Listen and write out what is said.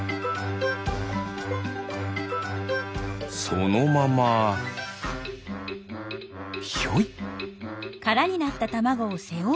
そのままひょい。